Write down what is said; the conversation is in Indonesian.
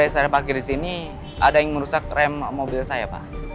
saya parkir di sini ada yang merusak rem mobil saya pak